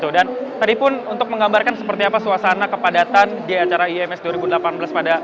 dan tadi pun untuk menggambarkan seperti apa suasana kepadatan di acara ims dua ribu delapan belas pada hari ini